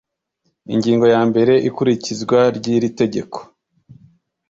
Ingingo ya mbere Ikurikizwa ry iri Tegeko